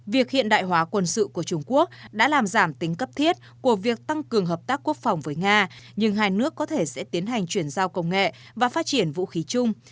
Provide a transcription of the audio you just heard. việc hiện đại hóa quân sự của trung quốc đã làm giảm tính cấp thiết của việc tăng cường hợp tác quốc phòng với nga nhưng hai nước có thể sẽ tiến hành chuyển giao công nghệ và phát triển vũ khí chung